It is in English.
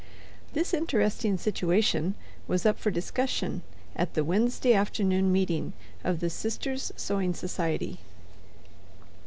This interesting situation was up for discussion at the Wednesday afternoon meeting of the Sisters' Sewing Society.